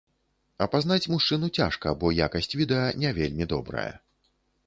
Апазнаць мужчыну цяжка, бо якасць відэа не вельмі добрая.